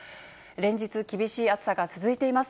連日、厳しい暑さが続いています。